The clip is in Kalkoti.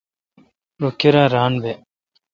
رو کیرا ران بہ۔